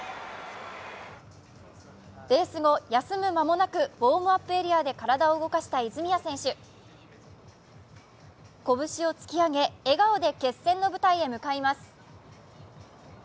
レース後、休む間もなくウォームアップエリアで体を動かした泉谷選手拳を突き上げ笑顔で決戦の舞台へ向かいます。